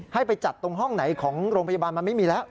ให้ไปจัดตรงห้องไหนของโรงพยาบาลมันไม่มีแล้ว